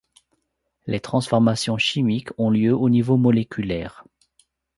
Les transformations chimiques ont lieu au niveau moléculaire.